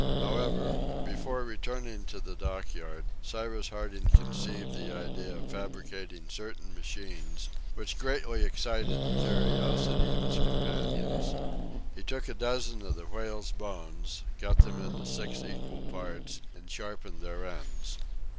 However, before returning to the dockyard, Cyrus Harding conceived the idea of fabricating certain machines, which greatly excited the curiosity of his companions. He took a dozen of the whale's bones, cut them into six equal parts, and sharpened their ends.